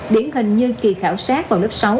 điển hình như kỳ khảo sát vào lớp sáu